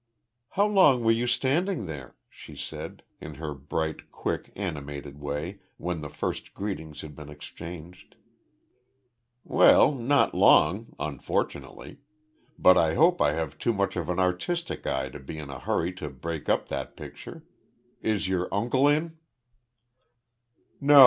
"How long were you standing there?" she said, in her bright, quick, animated way, when the first greetings had been exchanged. "Well, not long unfortunately. But I hope I have too much of an artistic eye to be in a hurry to break up that picture. Is your uncle in?" "No.